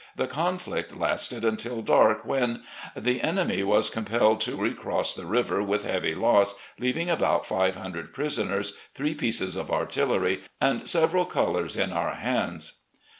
The conflict lasted until dark, when "The enemy was compelled to recross the river, with heavy loss, leaving about five hundred prisoners, three pieces of artillery, and several colours in our hands.